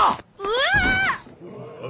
うわ！